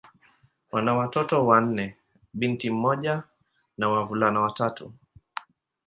Wana watoto wanne: binti mmoja na wavulana watatu.